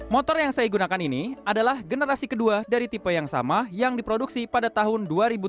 motor yang saya gunakan ini adalah generasi kedua dari tipe yang sama yang diproduksi pada tahun dua ribu tujuh belas